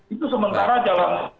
itu sementara jalan